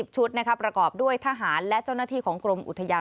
ชุดประกอบด้วยทหารและเจ้าหน้าที่ของกรมอุทยาน